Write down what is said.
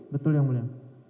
betul yang mulia